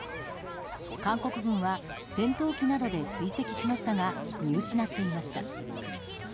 韓国軍は戦闘機などで追跡しましたが見失っていました。